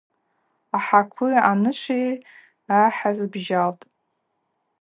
Ахӏахъви анышви гӏахӏбжьалтӏ.